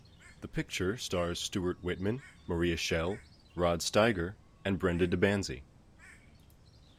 The picture stars Stuart Whitman, Maria Schell, Rod Steiger and Brenda De Banzie.